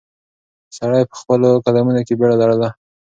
سړی په خپلو قدمونو کې بیړه لرله.